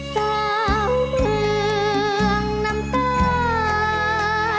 สาวเผืองน้ำตา